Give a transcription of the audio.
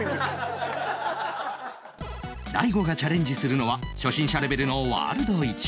大悟がチャレンジするのは初心者レベルのワールド１